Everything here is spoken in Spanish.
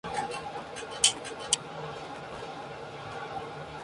Inició sus estudios en la Universidad de Buenos Aires en medicina y psiquiatría.